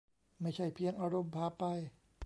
ไม่ใช่เพียงอารมณ์พาไป